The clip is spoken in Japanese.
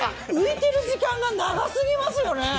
浮いてる時間が長すぎますよね。